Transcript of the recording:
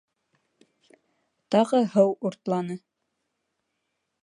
Тағы һыу уртланы.